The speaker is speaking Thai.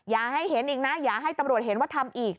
อย่าให้เห็นอีกนะอย่าให้ตำรวจเห็นว่าทำอีก